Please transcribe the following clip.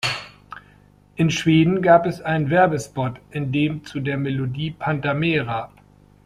In Schweden gab es einen Werbespot, in dem zu der Melodie "Panta mera!